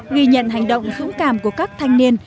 ghi nhận hành động dũng cảm của các thanh niên